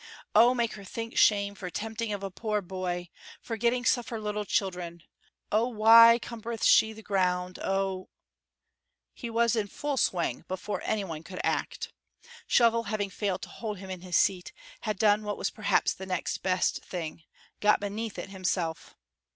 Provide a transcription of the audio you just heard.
Oh, make her think shame for tempting of a poor boy, for getting suffer little children, oh, why cumbereth she the ground, oh " He was in full swing before any one could act. Shovel having failed to hold him in his seat, had done what was perhaps the next best thing, got beneath it himself.